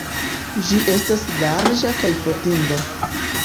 Ĝi estas larĝa kaj fotinda.